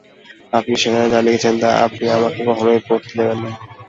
আপনি সেখানে যা লিখছেন তা আপনি আমাকে কখনই পড়তে দেবেন না।